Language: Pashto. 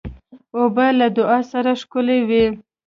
اوبه له دعا سره ښکلي وي.